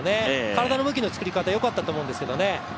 体の向きの作り方よかったと思うんですけどね。